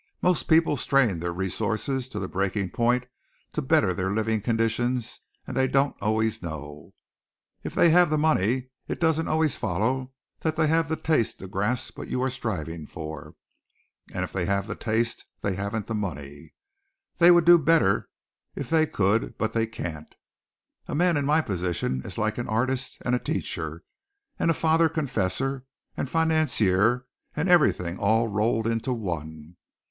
Most people strain their resources to the breaking point to better their living conditions and they don't always know. If they have the money, it doesn't always follow that they have the taste to grasp what you are striving for, and if they have the taste they haven't the money. They would do better if they could, but they can't. A man in my position is like an artist and a teacher and a father confessor and financier and everything all rolled into one.